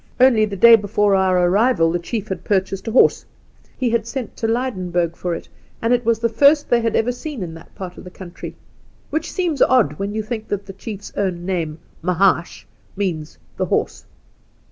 Only the day before our arrival the chief had purchased a horse ; he had sent to Lydenburg for 1,6 The Outspan it, and it was the first they had ever seen in that part of the country — which seems odd when you. think that the chief's own name, Mahaash, means "the Horse."